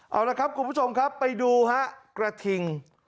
เอาละครับคุณผู้ชมครับไปดูฮะกระทิง